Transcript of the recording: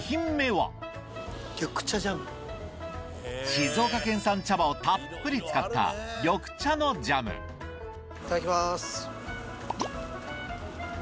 静岡県産茶葉をたっぷり使ったいただきます。